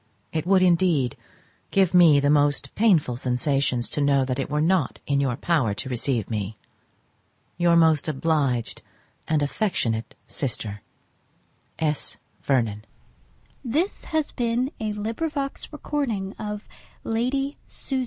It would indeed give me most painful sensations to know that it were not in your power to receive me. Your most obliged and affectionate sister, S. VERNON. II Lady Susan Vernon to Mrs. Johnson. Langford.